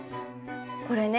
これね